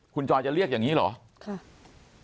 คุณจอยจะเรียกอย่างนี้เหรอ